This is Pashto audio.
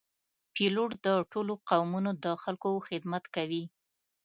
پیلوټ د ټولو قومونو د خلکو خدمت کوي.